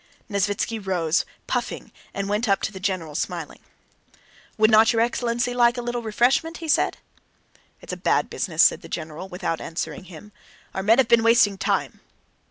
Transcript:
Nesvítski rose, puffing, and went up to the general, smiling. "Would not your excellency like a little refreshment?" he said. "It's a bad business," said the general without answering him, "our men have been wasting time."